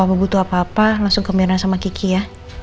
apa butuh apa apa langsung ke mirna sama kiki ya